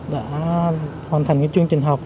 đã hoàn thành chương trình học